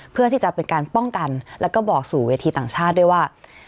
เพื่อที่จะเป็นการป้องกันแล้วก็บอกสู่เวทีต่างชาติด้วยว่า